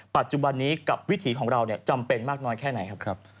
ปัจจุบันนี้กับวิถีของเราจำเป็นมากน้อยแค่ไหนครับ